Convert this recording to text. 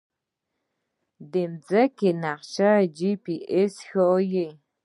د ځمکې نقشه جی پي اس ښيي